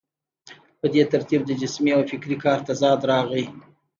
په دې ترتیب د جسمي او فکري کار تضاد راغی.